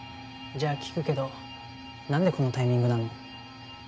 じゃあ聞くけどなんでこのタイミングなの？